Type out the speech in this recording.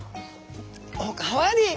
お代わり！